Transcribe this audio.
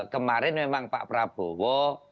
kemarin memang pak prabowo